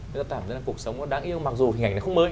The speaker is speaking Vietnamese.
nó tạo ra một cuộc sống nó đáng yêu mặc dù hình ảnh nó không mới